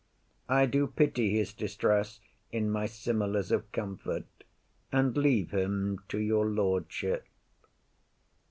I do pity his distress in my similes of comfort, and leave him to your lordship.